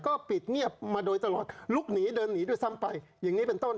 ก็ปิดเงียบมาโดยตลอดลุกหนีเดินหนีด้วยซ้ำไปอย่างนี้เป็นต้น